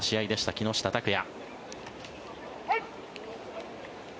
木下拓哉。